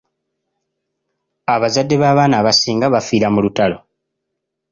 Abazadde b’abaana abasinga baafiira mu lutalo.